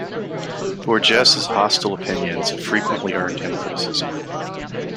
Borges' hostile opinions have frequently earned him criticism.